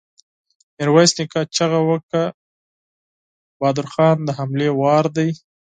ميرويس نيکه چيغه کړه! د بهادر خان د حملې وار دی!